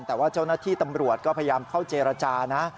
แต่ว่าเจ้าหน้าที่ตำรวจก็พยายามเข้าเจรจานะ